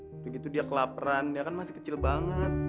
begitu dia kelaperan dia kan masih kecil banget